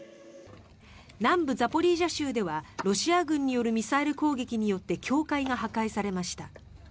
南部ザポリージャ州ではロシア軍によるミサイル攻撃によって教会が破壊されました。